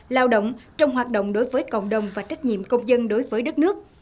lao động trong hoạt động đối với cộng đồng và trách nhiệm công dân đối với đất nước